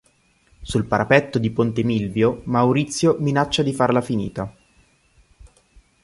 Sul parapetto di Ponte Milvio Maurizio minaccia di farla finita.